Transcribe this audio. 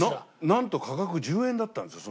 なんと価格１０円だったんですよ